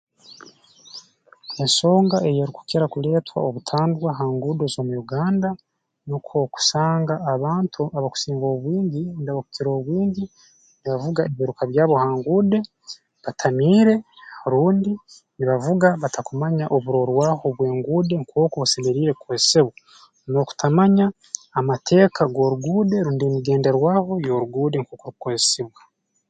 Ensonga eyeerukukira kuleetwa obutandwa ha nguudo z'omu Uganda nukwo okusanga abantu abakusinga obwingi rundi abakukira obwingi nibavuga ebiiruka byabo ha nguude batamiire rundi nibavuga batakumanya oburorwaho bw'enguude nkooku busemeriire kukozesebwa n'okutamanya amateeka g'oruguude rundi emigenderwaaho y'oruguude nkooku erukukozesibwa